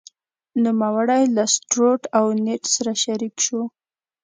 نوموړی له ستروټ او نیډ سره شریک شو.